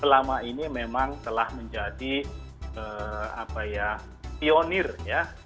selama ini memang telah menjadi apa ya pionir ya